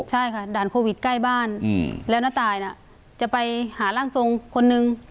ใช่ค่ะด่านโควิดใกล้บ้านแล้วน้าตายน่ะจะไปหาร่างทรงคนนึง